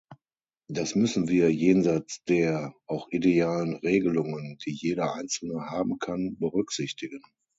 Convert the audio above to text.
Das müssen wir, jenseits der, auch idealen Regelungen, die jeder einzelne haben kann, berücksichtigen.